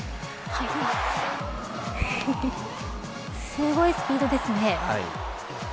すごいスピードですね。